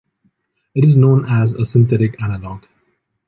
It is known as a synthetic analog.